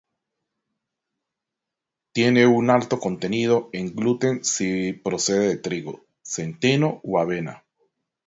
Tiene un alto contenido en gluten si procede de trigo, centeno o avena.